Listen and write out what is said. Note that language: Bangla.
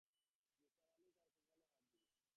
নিসার আলি তার কপালে হাত দিলেন।